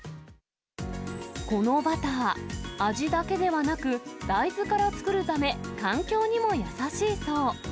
このバター、味だけではなく、大豆から作るため、環境にも優しいそう。